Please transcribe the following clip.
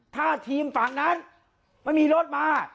ถ้าทีมฝั่งนั้นไม่มีรถมา